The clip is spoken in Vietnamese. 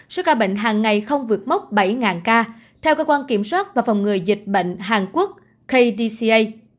số ca bệnh hàng ngày không vượt mốc bảy ca theo cơ quan kiểm soát và phòng ngừa dịch bệnh hàn quốc kdca